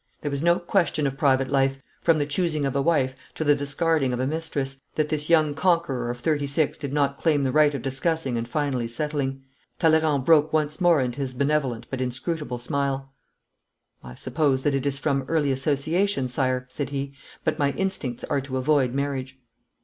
There was no question of private life, from the choosing of a wife to the discarding of a mistress, that this young conqueror of thirty six did not claim the right of discussing and of finally settling. Talleyrand broke once more into his benevolent but inscrutable smile. 'I suppose that it is from early association, Sire,' said he, 'but my instincts are to avoid marriage.'